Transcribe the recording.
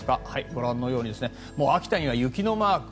ご覧のように秋田にはもう雪のマーク。